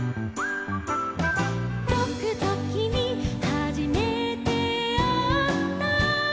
「ぼくときみはじめてあった」